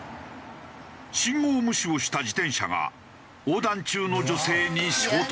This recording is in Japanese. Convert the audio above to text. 信号無視をした自転車が横断中の女性に衝突。